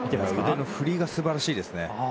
腕の振りが素晴らしいですね。